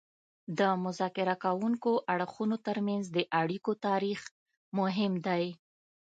د مذاکره کوونکو اړخونو ترمنځ د اړیکو تاریخ مهم دی